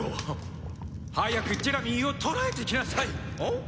早くジェラミーを捕らえてきなさい！